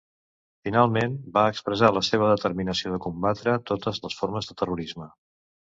Finalment, va expressar la seva determinació de combatre totes les formes de terrorisme.